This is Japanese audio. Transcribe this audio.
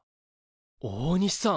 大西さん！